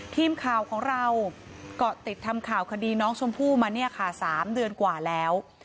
ทีมข่าวของเราก็ติดทำข่าวคดีน้องชมพู่มาเนี่ยค่ะ๓เดือนกว่าแล้ว